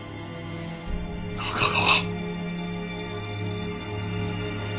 中川。